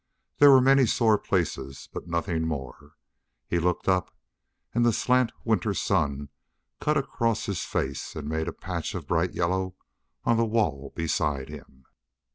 There were many sore places, but nothing more. He looked up, and the slant winter sun cut across his face and made a patch of bright yellow on the wall beside him.